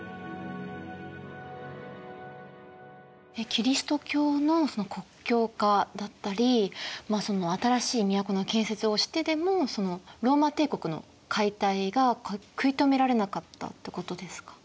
キリスト教のその国教化だったりまあその新しい都の建設をしてでもローマ帝国の解体が食い止められなかったってことですか。